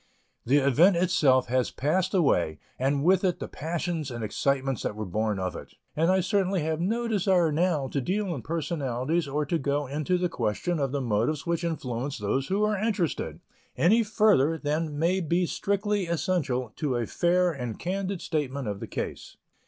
The event itself has passed away and with it the passions and excitements that were born of it; and I certainly have no desire now to deal in personalities or to go into the question of the motives which influenced those who were interested, any farther than may be strictly essential to a fair and candid statement of the case.